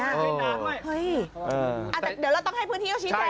เฮ้ยแต่เดี๋ยวเราต้องให้พื้นที่เขาชี้แทนนะ